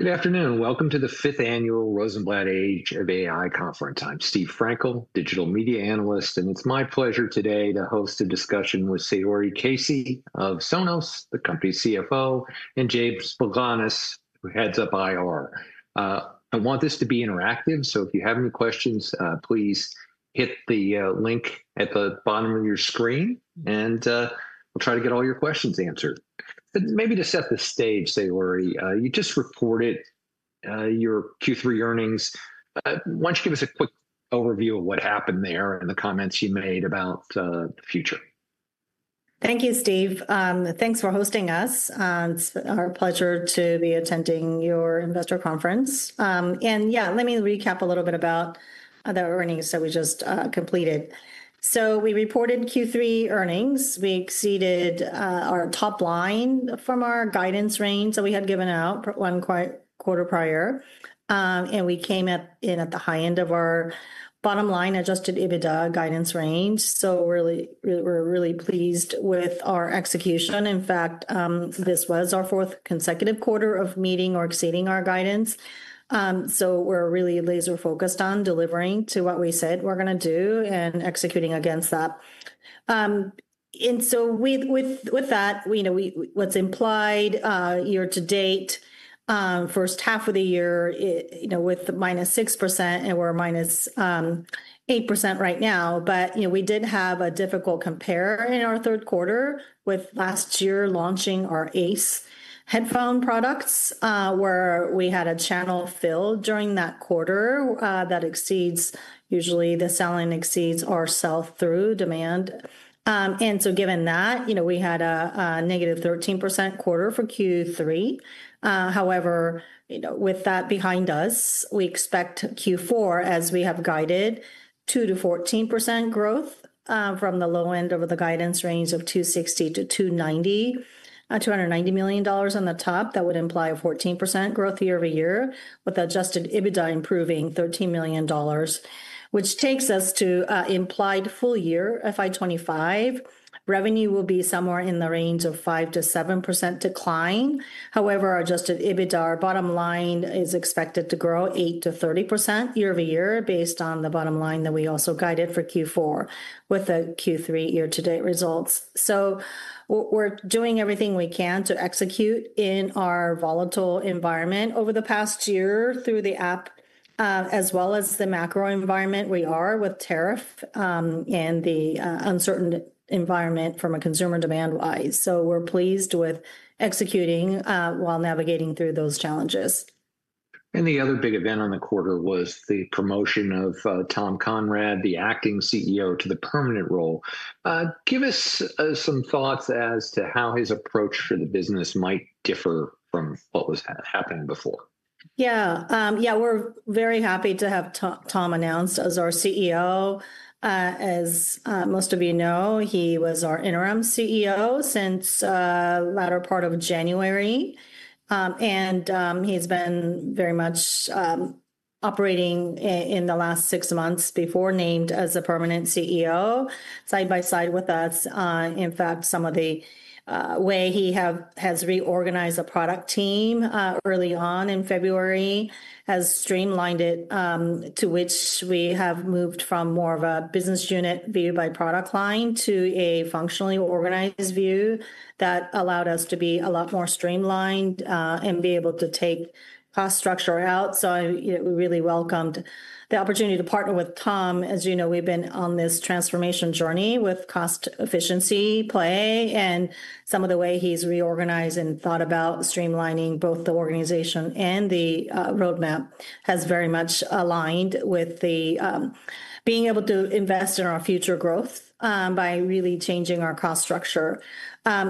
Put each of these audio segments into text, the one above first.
Good afternoon. Welcome to the Fifth Annual Rosenblatt Age of AI Conference. I'm Steve Frankel, Digital Media Analyst, and it's my pleasure today to host a discussion with Saori Casey of Sonos, the company's CFO, and James Baglanis, who heads up IR. I want this to be interactive, so if you have any questions, please hit the link at the bottom of your screen and try to get all your questions answered. Maybe to set the stage, Saori, you just reported your Q3 earnings. Why don't you give us a quick overview of what happened there and the comments you made about the future? Thank you, Steve. Thanks for hosting us. It's our pleasure to be attending your investor conference. Let me recap a little bit about the earnings that we just completed. We reported Q3 earnings. We exceeded our top line from our guidance range that we had given out one quarter prior, and we came in at the high end of our bottom line adjusted EBITDA guidance range. We're really pleased with our execution. In fact, this was our fourth consecutive quarter of meeting or exceeding our guidance. We're really laser-focused on delivering to what we said we're going to do and executing against that. With that, what's implied year to date, first half of the year, with - 6% and we're -8% right now. We did have a difficult compare in our third quarter with last year launching our Ace headphone products, where we had a channel fill during that quarter that exceeds, usually the selling exceeds our sell-through demand. Given that, we had a -13% quarter for Q3. With that behind us, we expect Q4, as we have guided, 2% to 14% growth from the low end of the guidance range of $260 million-$290 million on the top. That would imply a 14% growth year-over-year with adjusted EBITDA improving $13 million, which takes us to implied full year FY25. Revenue will be somewhere in the range of 5%-7% decline. Our adjusted EBITDA bottom line is expected to grow 8% to 30% year-over-year based on the bottom line that we also guided for Q4 with the Q3 year-to-date results. We're doing everything we can to execute in our volatile environment over the past year through the app, as well as the macro environment we are with tariffs and the uncertain environment from a consumer demand-wise. We're pleased with executing while navigating through those challenges. The other big event in the quarter was the promotion of Tom Conrad, the acting CEO, to the permanent role. Give us some thoughts as to how his approach to the business might differ from what was happening before. Yeah, yeah, we're very happy to have Tom announced as our CEO. As most of you know, he was our interim CEO since the latter part of January, and he's been very much operating in the last six months before named as a permanent CEO side by side with us. In fact, some of the way he has reorganized the product team early on in February has streamlined it to which we have moved from more of a business unit view by product line to a functionally organized view that allowed us to be a lot more streamlined and be able to take cost structure out. We really welcomed the opportunity to partner with Tom. As you know, we've been on this transformation journey with cost efficiency play, and some of the way he's reorganized and thought about streamlining both the organization and the roadmap has very much aligned with being able to invest in our future growth by really changing our cost structure.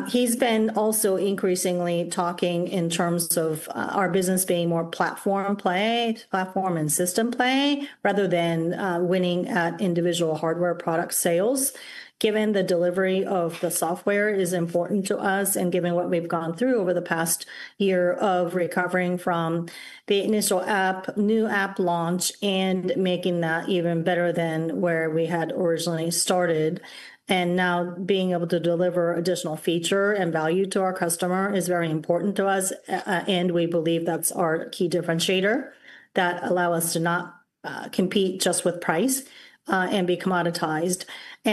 He's been also increasingly talking in terms of our business being more platform play, platform and system play, rather than winning at individual hardware product sales. Given the delivery of the software is important to us and given what we've gone through over the past year of recovering from the initial app, new app launch, and making that even better than where we had originally started. Now being able to deliver additional feature and value to our customer is very important to us, and we believe that's our key differentiator that allows us to not compete just with price and be commoditized. The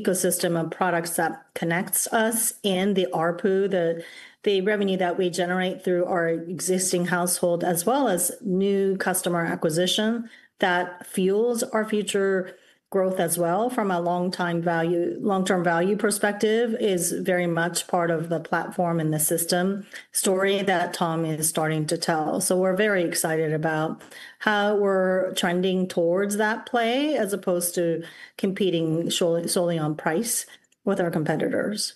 ecosystem of products that connects us and the ARPU, the revenue that we generate through our existing household, as well as new customer acquisition that fuels our future growth as well from a long-term value perspective, is very much part of the platform and the system story that Tom is starting to tell. We're very excited about how we're trending towards that play as opposed to competing solely on price with our competitors.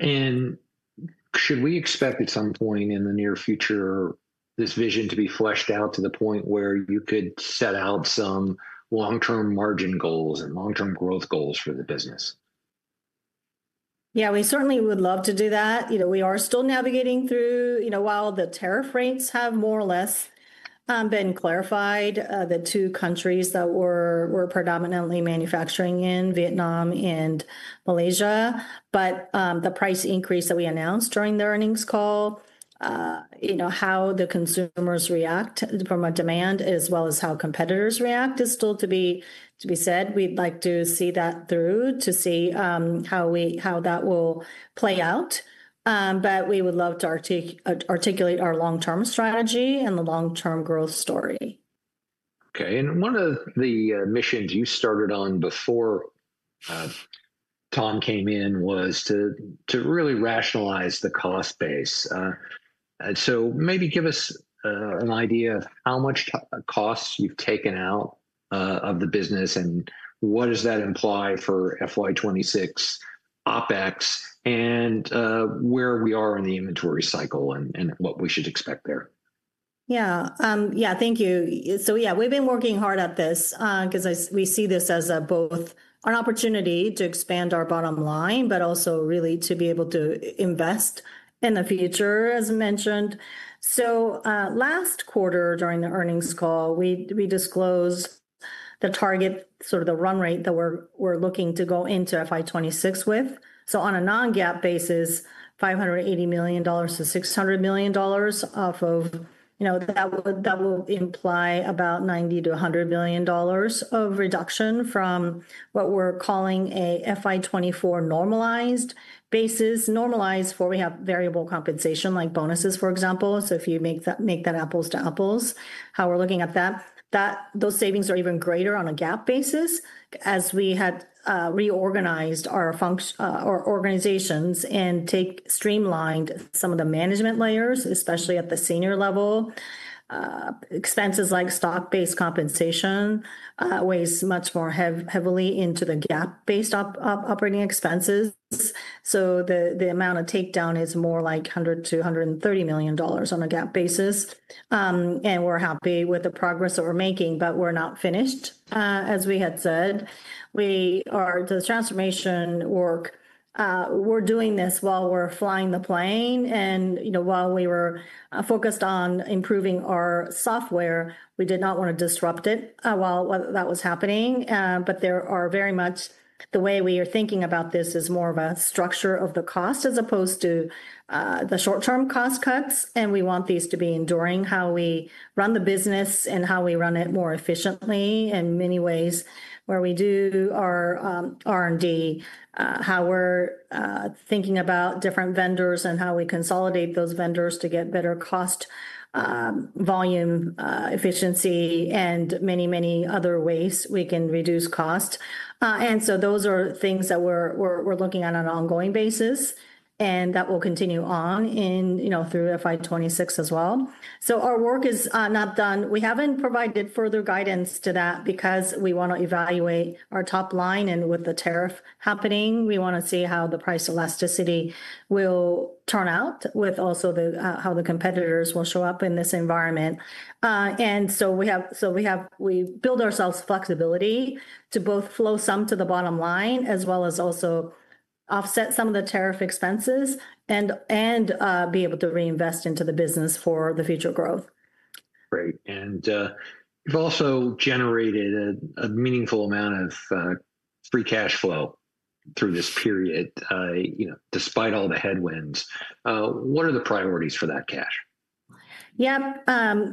Should we expect at some point in the near future this vision to be fleshed out to the point where you could set out some long-term margin goals and long-term growth goals for the business? Yeah, we certainly would love to do that. We are still navigating through, you know, while the tariff rates have more or less been clarified, the two countries that we're predominantly manufacturing in, Vietnam and Malaysia, but the price increase that we announced during the earnings call, you know, how the consumers react from a demand as well as how competitors react is still to be said. We'd like to see that through to see how that will play out. We would love to articulate our long-term strategy and the long-term growth story. Okay. One of the missions you started on before Tom came in was to really rationalize the cost base. Maybe give us an idea of how much cost you've taken out of the business and what that implies for FY 2026 OpEx, where we are in the inventory cycle, and what we should expect there. Thank you. We've been working hard at this because we see this as both an opportunity to expand our bottom line, but also really to be able to invest in the future, as mentioned. Last quarter during the earnings call, we disclosed the target, sort of the run rate that we're looking to go into FY 2026 with. On a non-GAAP basis, $580 million to $600 million off of. That will imply about $90 million-$100 million of reduction from what we're calling a FY 2024 normalized basis, normalized for we have variable compensation like bonuses, for example. If you make that apples to apples, how we're looking at that, those savings are even greater on a GAAP basis as we had reorganized our organizations and streamlined some of the management layers, especially at the senior level. Expenses like stock-based compensation weigh much more heavily into the GAAP-based operating expenses. The amount of takedown is more like $100 million-$130 million on a GAAP basis. We're happy with the progress that we're making, but we're not finished, as we had said. The transformation work, we're doing this while we're flying the plane. While we were focused on improving our software, we did not want to disrupt it while that was happening. The way we are thinking about this is more of a structure of the cost as opposed to the short-term cost cuts. We want these to be enduring, how we run the business and how we run it more efficiently in many ways, where we do our R&D, how we're thinking about different vendors and how we consolidate those vendors to get better cost, volume, efficiency, and many, many other ways we can reduce cost. Those are things that we're looking at on an ongoing basis and that will continue on through FY 2026 as well. Our work is not done. We haven't provided further guidance to that because we want to evaluate our top line and with the tariff happening, we want to see how the price elasticity will turn out with also how the competitors will show up in this environment. We build ourselves flexibility to both flow some to the bottom line as well as also offset some of the tariff expenses and be able to reinvest into the business for the future growth. You have also generated a meaningful amount of free cash flow through this period, despite all the headwinds. What are the priorities for that cash? Yeah,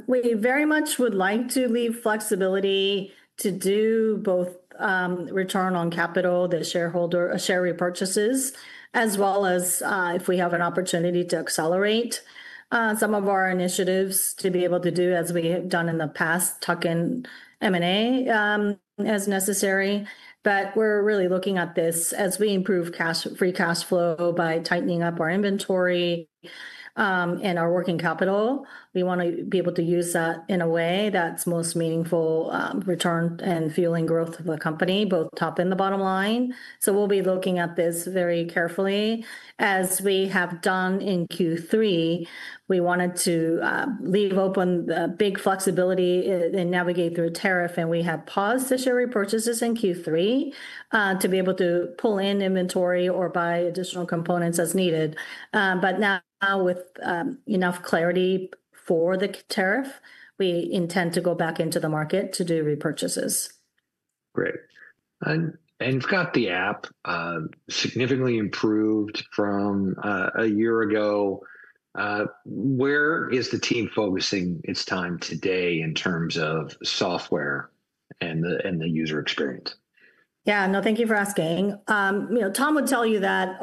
we very much would like to leave flexibility to do both return on capital, the shareholder share repurchases, as well as if we have an opportunity to accelerate some of our initiatives to be able to do as we have done in the past, tuck in M&A as necessary. We are really looking at this as we improve free cash flow by tightening up our inventory and our working capital. We want to be able to use that in a way that's most meaningful, return and fueling growth of the company, both top and the bottom line. We will be looking at this very carefully. As we have done in Q3, we wanted to leave open the big flexibility and navigate through tariffs. We have paused the share repurchases in Q3 to be able to pull in inventory or buy additional components as needed. Now with enough clarity for the tariffs, we intend to go back into the market to do repurchases. Great. You've got the app significantly improved from a year ago. Where is the team focusing its time today in terms of software and the user experience? Thank you for asking. Tom would tell you that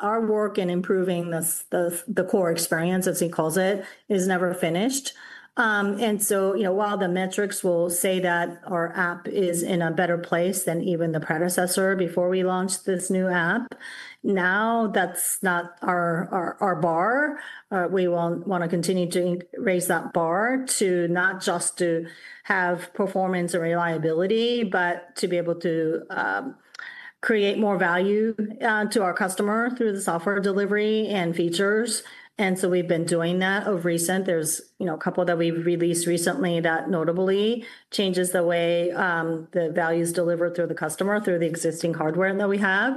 our work in improving the core experience, as he calls it, is never finished. While the metrics will say that our app is in a better place than even the predecessor before we launched this new app, that's not our bar. We want to continue to raise that bar to not just have performance and reliability, but to be able to create more value to our customer through the software delivery and features. We've been doing that of recent. There are a couple that we've released recently that notably changes the way the value is delivered through the customer, through the existing hardware that we have.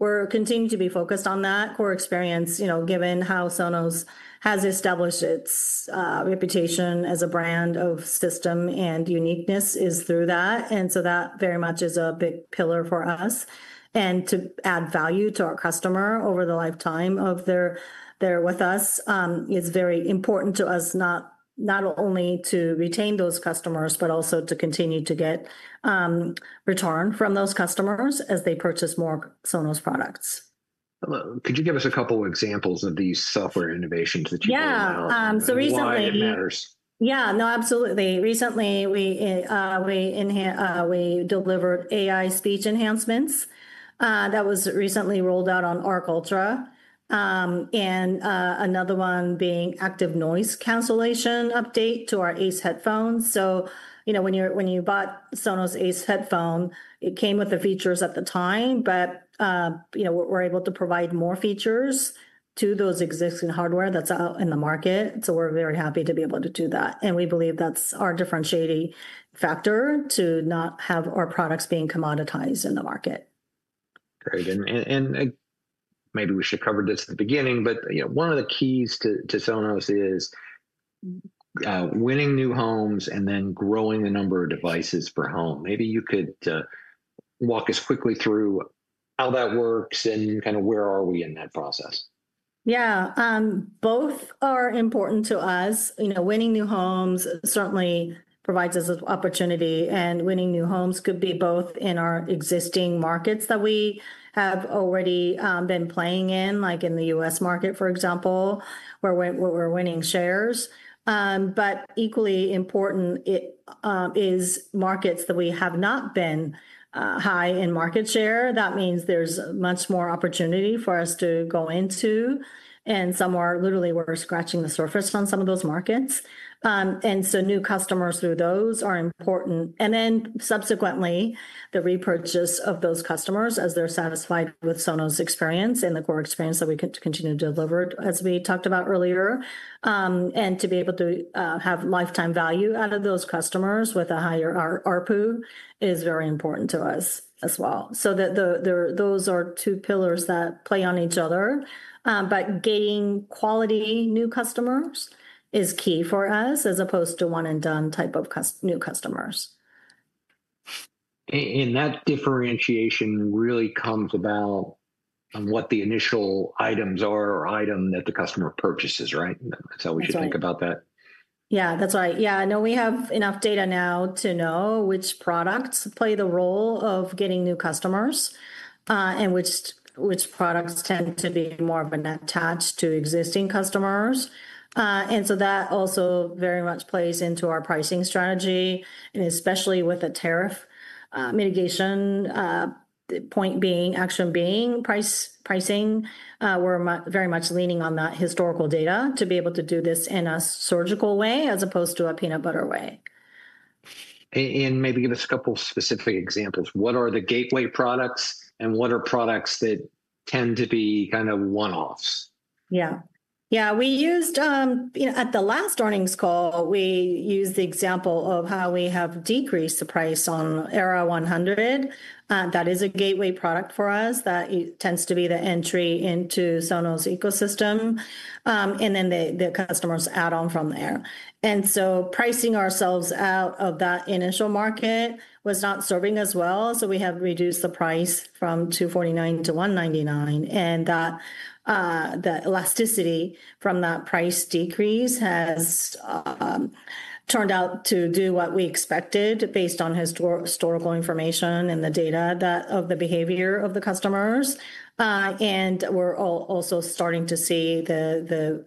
We're continuing to be focused on that core experience, given how Sonos has established its reputation as a brand of system and uniqueness is through that. That very much is a big pillar for us. To add value to our customer over the lifetime of their with us is very important to us not only to retain those customers, but also to continue to get return from those customers as they purchase more Sonos products. Could you give us a couple of examples of these software innovations that you've developed and why it matters? Yeah, absolutely. Recently, we delivered AI speech enhancements that was recently rolled out on Arc Ultra. Another one being active noise cancellation update to our Ace headphones. You know, when you bought Sonos Ace headphone, it came with the features at the time, but we're able to provide more features to those existing hardware that's out in the market. We're very happy to be able to do that, and we believe that's our differentiating factor to not have our products being commoditized in the market. Very good. Maybe we should cover this at the beginning, but yeah, one of the keys to Sonos is winning new homes and then growing the number of devices per home. Maybe you could walk us quickly through how that works and kind of where are we in that process? Yeah, both are important to us. You know, winning new homes certainly provides us with opportunity, and winning new homes could be both in our existing markets that we have already been playing in, like in the U.S. market, for example, where we're winning shares. Equally important is markets that we have not been high in market share. That means there's much more opportunity for us to go into, and some are literally we're scratching the surface on some of those markets. New customers through those are important. Subsequently, the repurchase of those customers as they're satisfied with the Sonos experience and the core experience that we continue to deliver, as we talked about earlier. To be able to have lifetime value out of those customers with a higher ARPU is very important to us as well. Those are two pillars that play on each other. Gaining quality new customers is key for us as opposed to one-and-done type of new customers. That differentiation really comes about what the initial items are or item that the customer purchases, right? That's how we should think about that. Yeah, that's right. I know we have enough data now to know which products play the role of getting new customers and which products tend to be more of a net tax to existing customers. That also very much plays into our pricing strategy, especially with the tariff mitigation point being, action being pricing. We're very much leaning on that historical data to be able to do this in a surgical way as opposed to a peanut butter way. Could you give us a couple of specific examples? What are the gateway products, and what are products that tend to be kind of one-offs? Yeah, we used, you know, at the last earnings call, we used the example of how we have decreased the price on Era 100. That is a gateway product for us that tends to be the entry into the Sonos ecosystem. The customers add on from there. Pricing ourselves out of that initial market was not serving us well. We have reduced the price from $249 to $199. That elasticity from that price decrease has turned out to do what we expected based on historical information and the data of the behavior of the customers. We're also starting to see the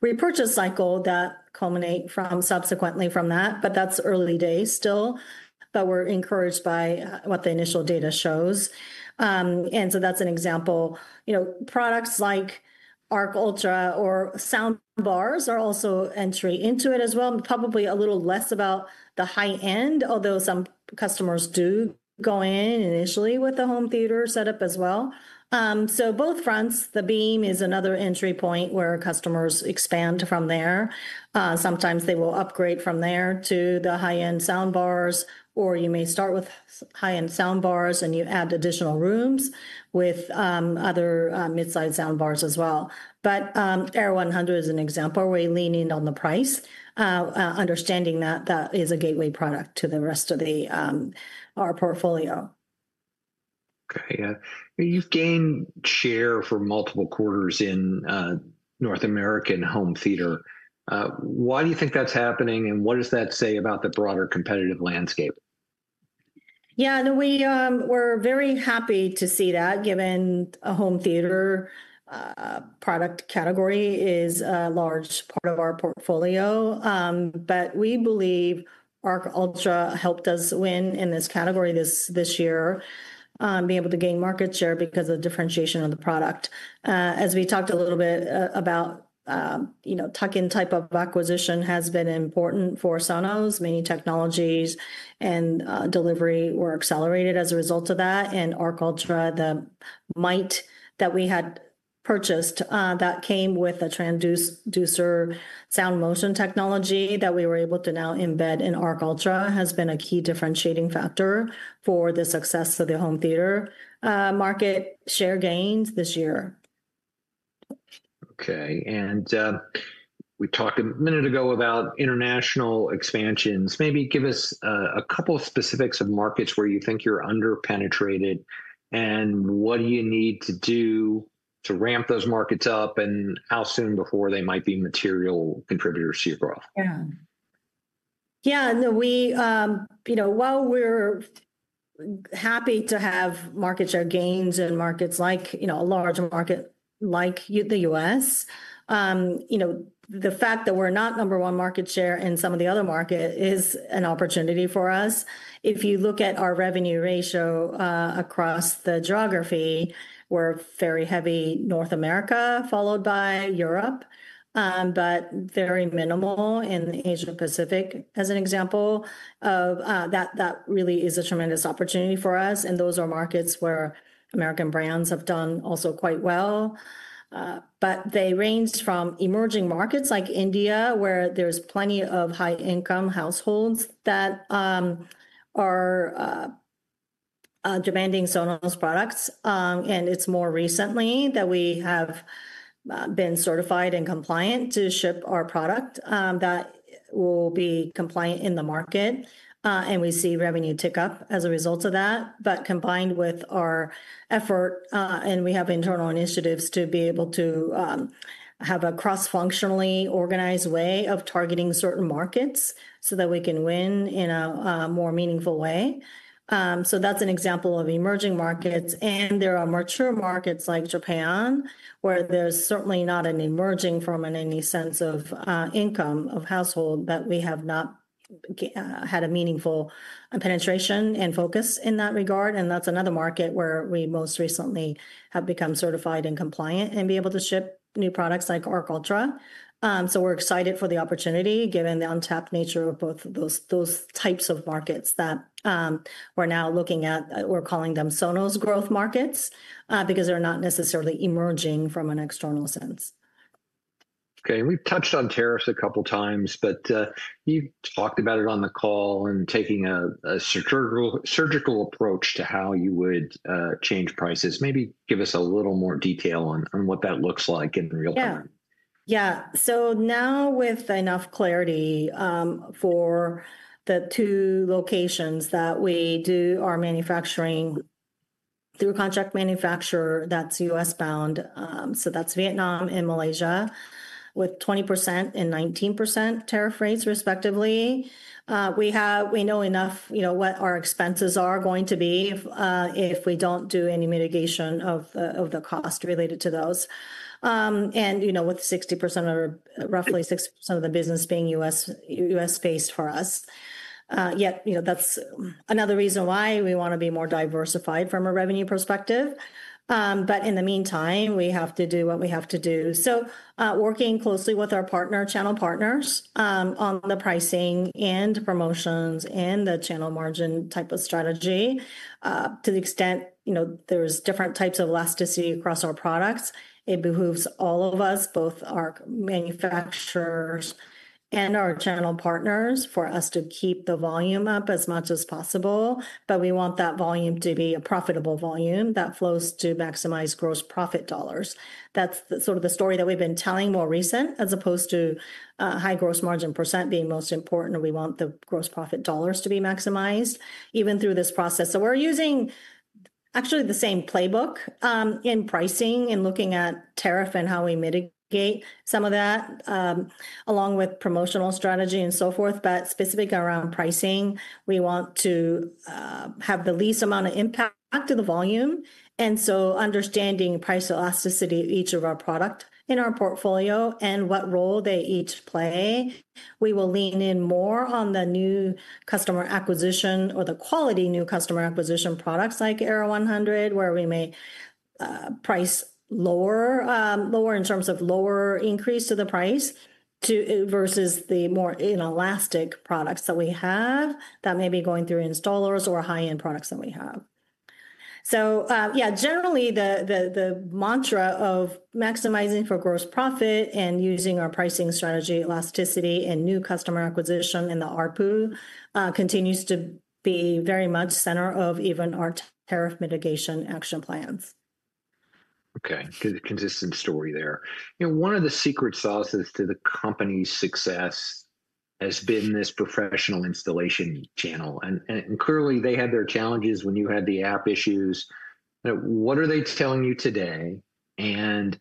repurchase cycle that culminates subsequently from that. That's early days still, but we're encouraged by what the initial data shows. That's an example. Products like Arc Ultra or sound bars are also entry into it as well. Probably a little less about the high end, although some customers do go in initially with the home theater setup as well. On both fronts, the Beam is another entry point where customers expand from there. Sometimes they will upgrade from there to the high-end sound bars, or you may start with high-end sound bars and you add additional rooms with other mid-sized sound bars as well. Era 100 is an example where you lean in on the price, understanding that that is a gateway product to the rest of our portfolio. Okay, yeah. You've gained share for multiple quarters in North American home theater. Why do you think that's happening, and what does that say about the broader competitive landscape? Yeah, no, we were very happy to see that given a home theater product category is a large part of our portfolio. We believe Arc Ultra helped us win in this category this year, being able to gain market share because of the differentiation of the product. As we talked a little bit about, you know, tuck-in type of acquisition has been important for Sonos. Many technologies and delivery were accelerated as a result of that. Arc Ultra, the mic that we had purchased that came with a transducer sound motion technology that we were able to now embed in Arc Ultra, has been a key differentiating factor for the success of the home theater market share gains this year. Okay, we talked a minute ago about international expansions. Maybe give us a couple of specifics of markets where you think you're underpenetrated, and what do you need to do to ramp those markets up, and how soon before they might be material contributors to your growth? Yeah, no, we, you know, while we're happy to have market share gains in markets like, you know, a large market like the U.S., the fact that we're not number one market share in some of the other markets is an opportunity for us. If you look at our revenue ratio across the geography, we're very heavy North America, followed by Europe, but very minimal in the Asia-Pacific as an example of that. That really is a tremendous opportunity for us. Those are markets where American brands have done also quite well. They range from emerging markets like India, where there's plenty of high-income households that are demanding Sonos products. It's more recently that we have been certified and compliant to ship our product that will be compliant in the market. We see revenue tick up as a result of that. Combined with our effort, we have internal initiatives to be able to have a cross-functionally organized way of targeting certain markets so that we can win in a more meaningful way. That's an example of emerging markets. There are mature markets like Japan, where there's certainly not an emerging from in any sense of income of household that we have not had a meaningful penetration and focus in that regard. That's another market where we most recently have become certified and compliant and be able to ship new products like Arc Ultra. We're excited for the opportunity given the untapped nature of both of those types of markets that we're now looking at. We're calling them Sonos growth markets because they're not necessarily emerging from an external sense. Okay, we've touched on tariffs a couple of times, but you talked about it on the call and taking a surgical approach to how you would change prices. Maybe give us a little more detail on what that looks like in real time. Yeah, yeah, so now with enough clarity for the two locations that we do our manufacturing through a contract manufacturer that's U.S.-bound. That's Vietnam and Malaysia with 20% and 19% tariff rates respectively. We know enough, you know, what our expenses are going to be if we don't do any mitigation of the cost related to those. With 60% or roughly 60% of the business being U.S.-based for us, that's another reason why we want to be more diversified from a revenue perspective. In the meantime, we have to do what we have to do. Working closely with our channel partners on the pricing and promotions and the channel margin type of strategy, to the extent, you know, there's different types of elasticity across our products. It behooves all of us, both our manufacturers and our channel partners, for us to keep the volume up as much as possible. We want that volume to be a profitable volume that flows to maximize gross profit dollars. That's the sort of the story that we've been telling more recent, as opposed to high gross margin % being most important. We want the gross profit dollars to be maximized even through this process. We're using actually the same playbook in pricing and looking at tariff and how we mitigate some of that along with promotional strategy and so forth. Specific around pricing, we want to have the least amount of impact to the volume. Understanding price elasticity of each of our products in our portfolio and what role they each play, we will lean in more on the new customer acquisition or the quality new customer acquisition products like Era 100, where we may price lower in terms of lower increase to the price versus the more inelastic products that we have that may be going through installers or high-end products that we have. Generally the mantra of maximizing for gross profit and using our pricing strategy, elasticity, and new customer acquisition in the ARPU continues to be very much center of even our tariff mitigation action plans. Okay, so the consistent story there. One of the secret sauces to the company's success has been this professional installation channel. Clearly they had their challenges when you had the app issues. What are they telling you today, and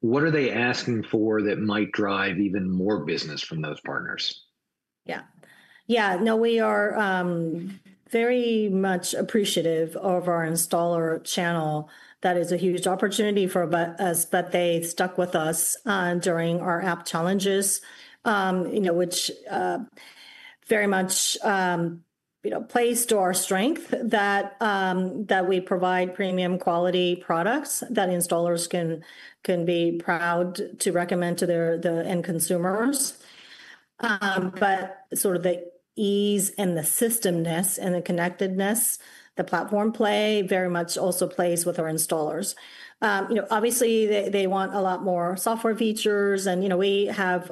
what are they asking for that might drive even more business from those partners? Yeah, yeah, no, we are very much appreciative of our installer channel. That is a huge opportunity for us. They stuck with us during our app challenges, which very much plays to our strength that we provide premium quality products that installers can be proud to recommend to their end consumers. The ease and the systemness and the connectedness, the platform play, very much also plays with our installers. Obviously, they want a lot more software features, and we have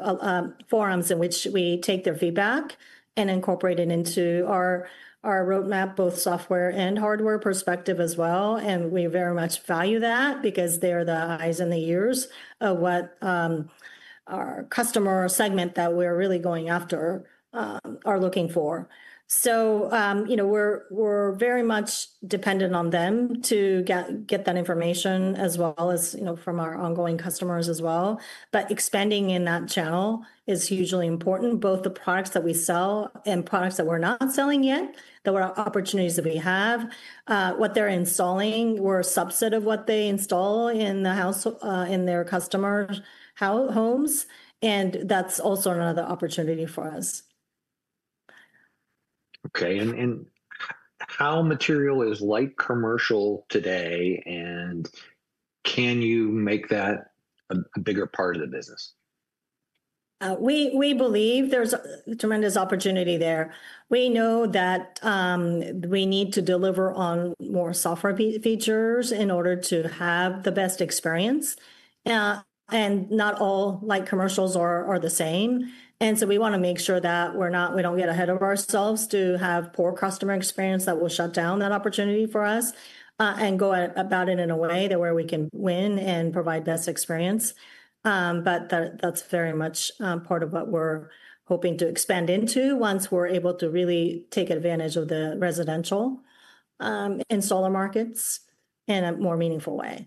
forums in which we take their feedback and incorporate it into our roadmap, both from a software and hardware perspective as well. We very much value that because they're the eyes and the ears of what our customer segment that we're really going after are looking for. We're very much dependent on them to get that information as well as from our ongoing customers as well. Expanding in that channel is hugely important, both the products that we sell and products that we're not selling yet, the opportunities that we have, what they're installing. We're a subset of what they install in the house in their customer homes, and that's also another opportunity for us. Okay, how material is light commercial today, and can you make that a bigger part of the business? We believe there's a tremendous opportunity there. We know that we need to deliver on more software features in order to have the best experience. Not all light commercials are the same, so we want to make sure that we don't get ahead of ourselves to have poor customer experience that will shut down that opportunity for us and go about it in a way where we can win and provide best experience. That's very much part of what we're hoping to expand into once we're able to really take advantage of the residential installer markets in a more meaningful way.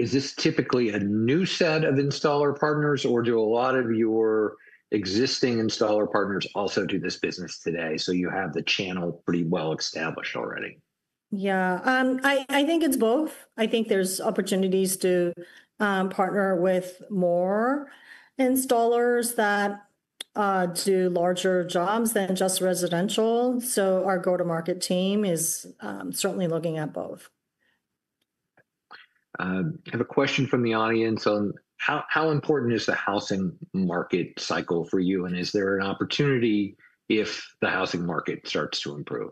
Is this typically a new set of installer partners, or do a lot of your existing installer partners also do this business today? You have the channel pretty well established already. Yeah, I think it's both. I think there's opportunities to partner with more installers that do larger jobs than just residential. Our go-to-market team is certainly looking at both. I have a question from the audience on how important is the housing market cycle for you, and is there an opportunity if the housing market starts to improve?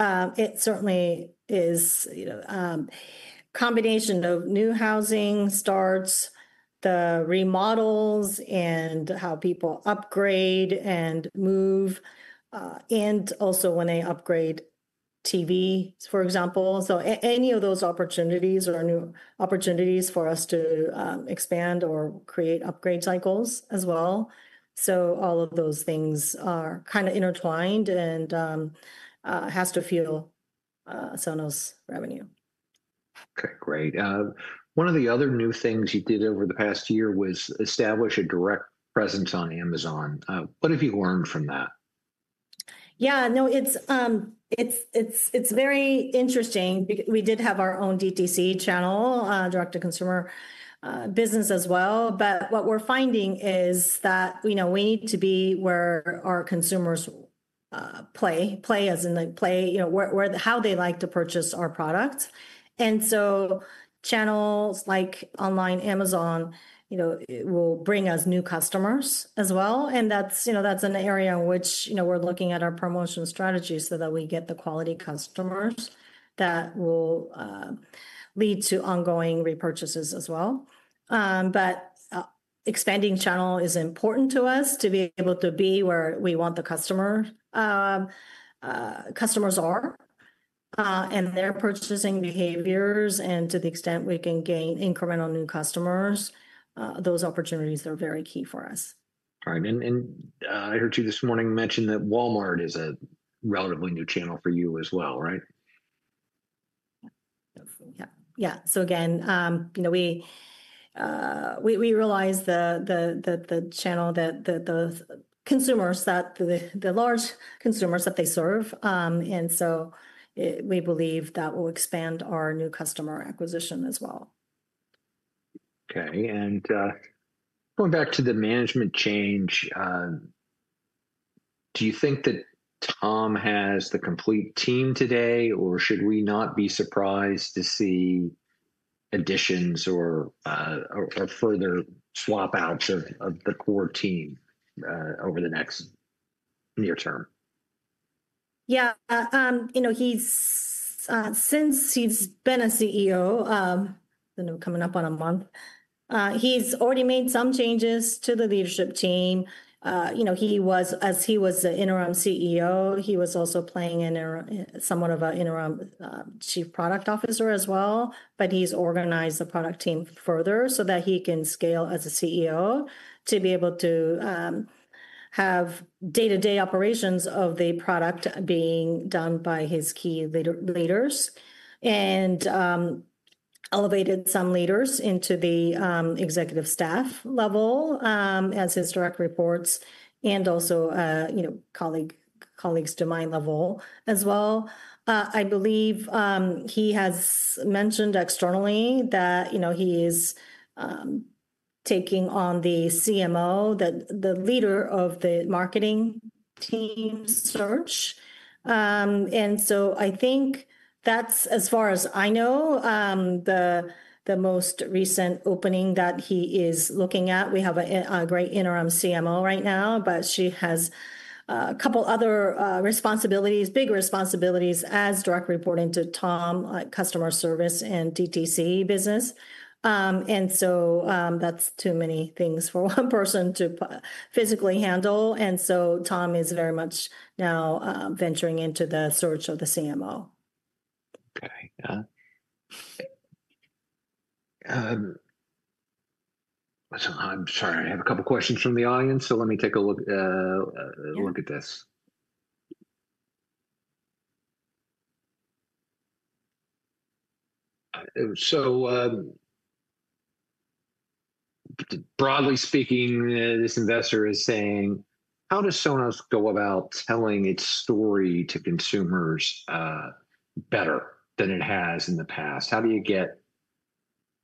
It certainly is. You know, a combination of new housing starts, the remodels, and how people upgrade and move, and also when they upgrade TVs, for example. Any of those opportunities are new opportunities for us to expand or create upgrade cycles as well. All of those things are kind of intertwined and have to fuel Sonos revenue. Okay, great. One of the other new things you did over the past year was establish a direct presence on Amazon. What have you learned from that? Yeah, no, it's very interesting. We did have our own DTC channel, direct-to-consumer business as well. What we're finding is that, you know, we need to be where our consumers play, play as in the play, you know, how they like to purchase our products. Channels like online Amazon, you know, will bring us new customers as well. That's, you know, that's an area in which, you know, we're looking at our promotion strategy so that we get the quality customers that will lead to ongoing repurchases as well. Expanding channel is important to us to be able to be where we want the customers to be. Customers are and their purchasing behaviors and to the extent we can gain incremental new customers, those opportunities are very key for us. Right. I heard you this morning mention that Walmart is a relatively new channel for you as well, right? Yeah, yeah. We realize the channel that the consumers, that the large consumers that they serve, and we believe that will expand our new customer acquisition as well. Okay. Going back to the management change, do you think that Tom has the complete team today, or should we not be surprised to see additions or further swap outs of the core team over the next near term? Yeah, you know, since he's been CEO, coming up on a month, he's already made some changes to the leadership team. He was, as he was the interim CEO, also playing in somewhat of an interim Chief Product Officer role as well. He's organized the product team further so that he can scale as CEO to be able to have day-to-day operations of the product being done by his key leaders and elevated some leaders into the executive staff level as his direct reports and also, you know, colleagues to my level as well. I believe he has mentioned externally that he is taking on the CMO, the leader of the marketing team search. I think that's, as far as I know, the most recent opening that he is looking at. We have a great interim CMO right now, but she has a couple of other responsibilities, big responsibilities as direct reporting to Tom, customer service and DTC business. That's too many things for one person to physically handle. Tom is very much now venturing into the search of the CMO. I'm sorry, I have a couple of questions from the audience, so let me take a look at this. Broadly speaking, this investor is saying, how does Sonos go about telling its story to consumers better than it has in the past? How do you get,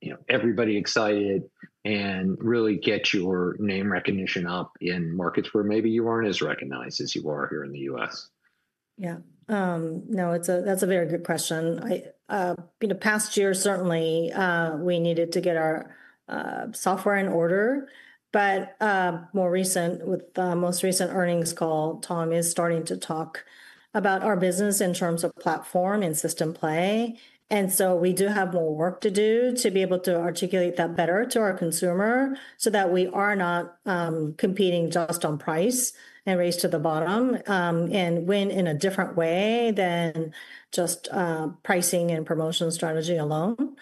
you know, everybody excited and really get your name recognition up in markets where maybe you aren't as recognized as you are here in the U.S.? Yeah, no, that's a very good question. You know, past year certainly we needed to get our software in order. More recent, with the most recent earnings call, Tom is starting to talk about our business in terms of platform and system play. We do have more work to do to be able to articulate that better to our consumer so that we are not competing just on price and race to the bottom and win in a different way than just pricing and promotion strategy alone.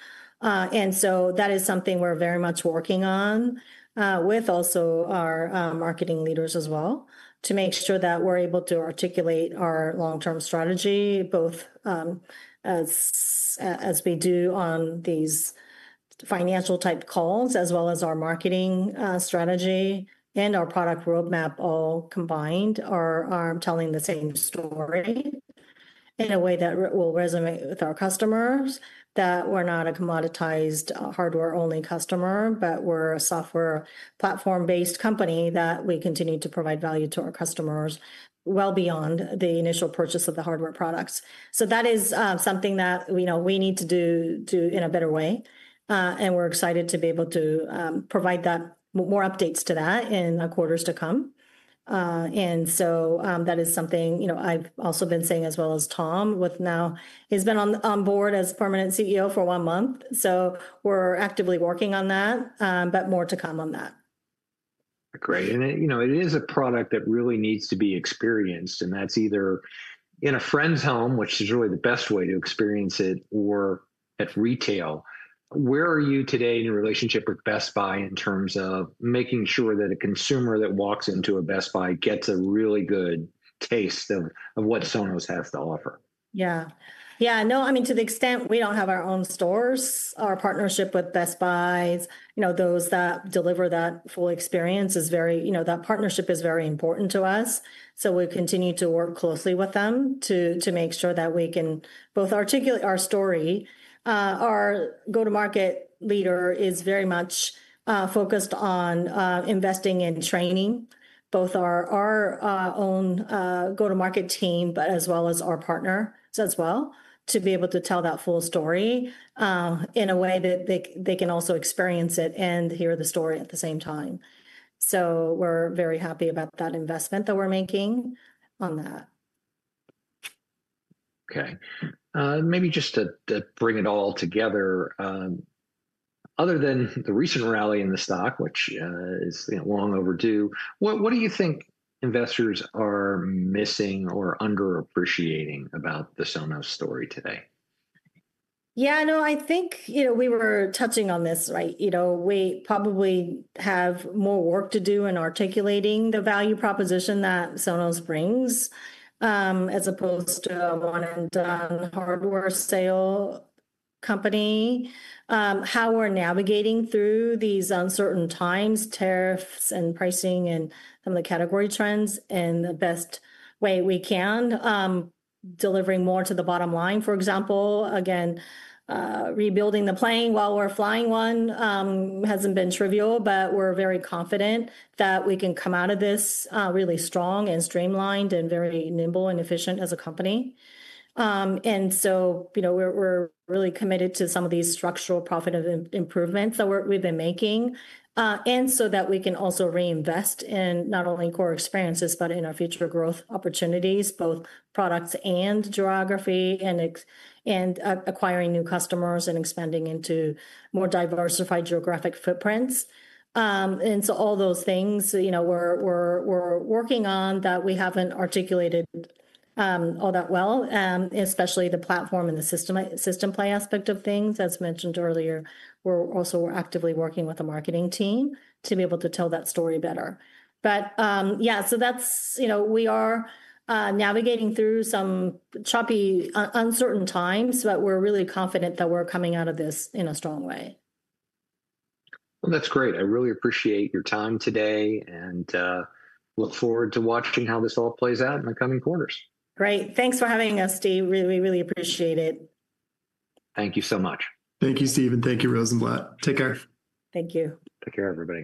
That is something we're very much working on with also our marketing leaders as well to make sure that we're able to articulate our long-term strategy, both as we do on these financial type calls, as well as our marketing strategy and our product roadmap all combined, telling the same story in a way that will resonate with our customers, that we're not a commoditized hardware-only customer, but we're a software platform-based company that we continue to provide value to our customers well beyond the initial purchase of the hardware products. That is something that we need to do in a better way. We're excited to be able to provide more updates to that in the quarters to come. That is something, you know, I've also been saying as well as Tom, with now he's been on board as permanent CEO for one month. We're actively working on that, but more to come on that. Great. You know, it is a product that really needs to be experienced, and that's either in a friend's home, which is really the best way to experience it, or at retail. Where are you today in your relationship with Best Buy in terms of making sure that a consumer that walks into a Best Buy gets a really good taste of what Sonos has to offer? Yeah, to the extent we don't have our own stores, our partnership with Best Buy is those that deliver that full experience. That partnership is very important to us. We continue to work closely with them to make sure that we can both articulate our story. Our go-to-market leader is very much focused on investing in training both our own go-to-market team, as well as our partners, to be able to tell that full story in a way that they can also experience it and hear the story at the same time. We're very happy about that investment that we're making on that. Okay. Maybe just to bring it all together, other than the recent rally in the stock, which is long overdue, what do you think investors are missing or underappreciating about the Sonos story today? Yeah, no, I think we were touching on this, right? We probably have more work to do in articulating the value proposition that Sonos brings as opposed to a one-and-done hardware sale company. How we're navigating through these uncertain times, tariffs and pricing and the category trends in the best way we can, delivering more to the bottom line. For example, rebuilding the plane while we're flying one hasn't been trivial, but we're very confident that we can come out of this really strong and streamlined and very nimble and efficient as a company. We're really committed to some of these structural profit improvements that we've been making so that we can also reinvest in not only core experiences, but in our future growth opportunities, both products and geography and acquiring new customers and expanding into more diversified geographic footprints. All those things we're working on that we haven't articulated all that well, especially the platform and the system play aspect of things. As mentioned earlier, we're also actively working with the marketing team to be able to tell that story better. We're navigating through some choppy, uncertain times, but we're really confident that we're coming out of this in a strong way. That's great. I really appreciate your time today and look forward to watching how this all plays out in the coming quarters. Great. Thanks for having us, Steve. We really appreciate it. Thank you so much. Thank you, Steve. Thank you, Rosenblatt. Take care. Thank you. Take care, everybody.